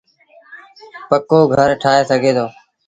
پڪو گھر ٺآهي سگھي دو۔